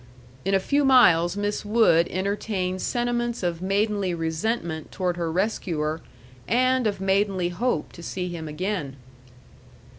In a few miles Miss Wood entertained sentiments of maidenly resentment toward her rescuer, and of maidenly hope to see him again.